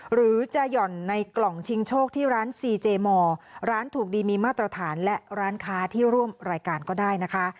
หรือจะหย่อนในกล่องชิงโชคที่ร้านซีเจมอร์ร้านถูกดีมีมาตรฐานและร้านค้าที่ร่วมรายการก็ได้นะคะ